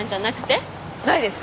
ないです！